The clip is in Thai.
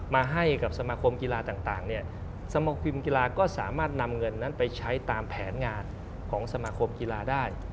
มาให้กับสมาคมกีฬาต่างเนี่ยสมคิมกีฬาก็สามารถนำเงินนั้นไปใช้ตามแผนงานของสมาคมกีฬาได้